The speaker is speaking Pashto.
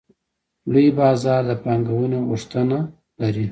لوی بازار د پانګونې غوښتنه لري.